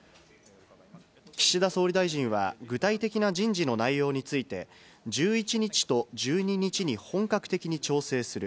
岸田総理大臣は、具体的な人事の内容について、１１日と１２日に本格的に調整する。